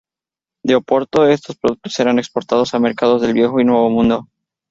De Oporto, estos productos eran exportados a mercados del Viejo y Nuevo Mundo.